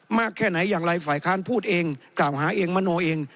แค่ไหนอย่างไรฝ่ายค้านพูดเองกล่าวหาเองมโนเอง